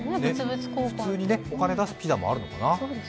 普通にお金を出すピザもあるのかな？